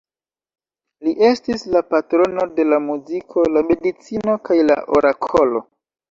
Li estis la patrono de la muziko, la medicino, kaj la orakolo.